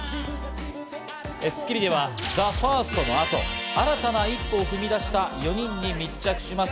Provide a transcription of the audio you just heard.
『スッキリ』ではＴＨＥＦＩＲＳＴの後、新たな一歩を踏み出した４人に密着します。